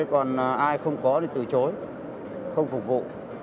còn ai không có thì từ chối không phục vụ